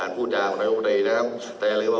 ๔ปีแล้ว